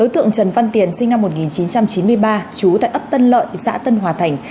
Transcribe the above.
tượng trần văn tiền sinh năm một nghìn chín trăm chín mươi ba trú tại ấp tân lợi xã tân hòa thành